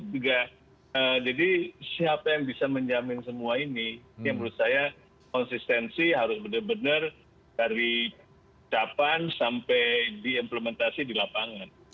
jadi siapa yang bisa menjamin semua ini yang menurut saya konsistensi harus benar benar dari depan sampai diimplementasi di lapangan